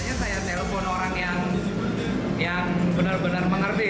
akhirnya saya telepon orang yang benar benar mengerti